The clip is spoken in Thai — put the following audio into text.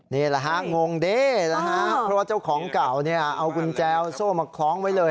นี่แหละฮะงงเด้นะฮะเพราะว่าเจ้าของเก่าเนี่ยเอากุญแจโซ่มาคล้องไว้เลย